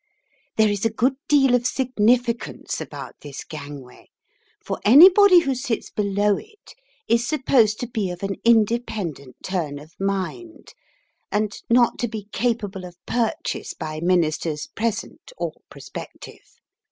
There is a good deal of significance about this gangway, for anybody who sits below it is supposed to be of an independent turn of mind, and not to be capable of purchase by Ministers present or prospective.